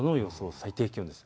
最低気温です。